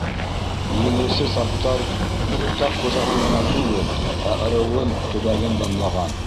Еңеүсе саптар, юртаҡ хужаһын ғына түгел, ә ырыуын, төбәген данлаған.